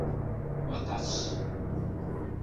わたし